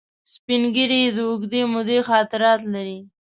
سپین ږیری د اوږدې مودې خاطرات لري